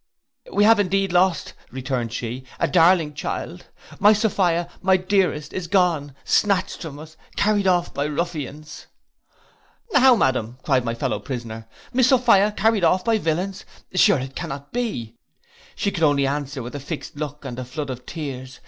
'We have indeed lost,' returned she, 'a darling child. My Sophia, my dearest, is gone, snatched from us, carried off by ruffians!' 'How madam,' cried my fellow prisoner, 'Miss Sophia carried off by villains, sure it cannot be?' She could only answer with a fixed look and a flood of tears.